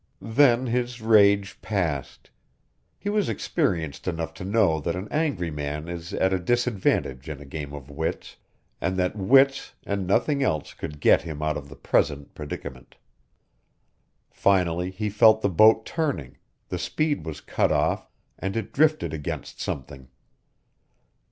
Then his rage passed. He was experienced enough to know that an angry man is at a disadvantage in a game of wits, and that wits and nothing else could get him out of the present predicament. Finally, he felt the boat turning, the speed was cut off, and it drifted against something.